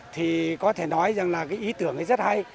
thì có thể nói rằng là cái ý tưởng ấy rất hay